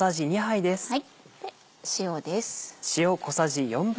塩です。